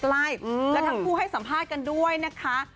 แล้วทั้งคู่ให้สัมภาษณ์กันด้วยนะคะ